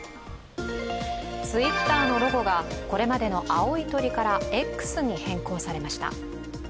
Ｔｗｉｔｔｅｒのロゴがこれまでの青い鳥からＸに変更されました。